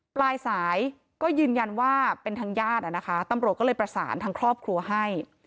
ปลายสายก็ยืนยันว่าเป็นทางญาตินะคะตำรวจก็เลยประสานทางครอบครัวให้